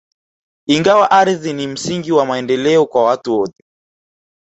Ingawa ardhi ni msingi wa maendeleo kwa watu wote